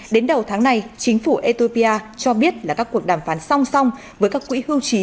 đến đầu tháng này chính phủ ethiopia cho biết là các cuộc đàm phán song song với các quỹ hưu trí